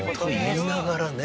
と言いながらね。